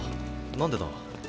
何でだ？